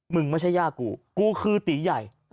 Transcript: ไม่ใช่ย่ากูคือตีใหญ่